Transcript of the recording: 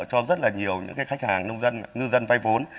thời hạn trả nợ cho rất là nhiều khách hàng nông dân ngư dân vay vốn